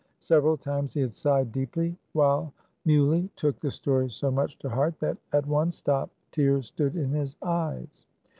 Several times he had sighed deeply, while Muley took the story so much to heart, that, at one stop, tears stood in his eyes.